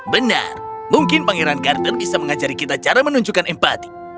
benar mungkin pangeran garden bisa mengajari kita cara menunjukkan empati